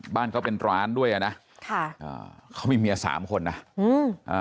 บ้านเขาเป็นร้านด้วยอ่ะนะค่ะอ่าเขามีเมียสามคนนะอืมอ่า